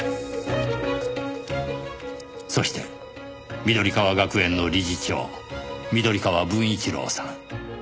そして緑川学園の理事長緑川文一郎さん。